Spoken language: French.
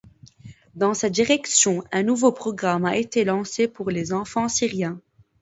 Dans cette direction, un nouveau programme a été lancé pour les enfants syriens.